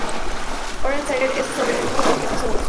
Ogre Slayer es sobre un joven que caza ogros.